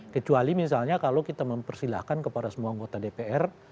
kecuali misalnya kalau kita mempersilahkan kepada semua anggota dpr